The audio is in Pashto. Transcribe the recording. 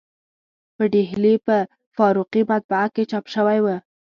په ډهلي په فاروقي مطبعه کې چاپ شوی و.